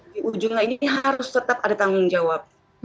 di ujungnya ini harus tetap ada tanggung jawab